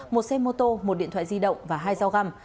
một xe mô tô một điện thoại di động và hai dao găm